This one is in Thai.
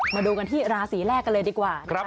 มาดูกันที่ราศีแรกกันเลยดีกว่า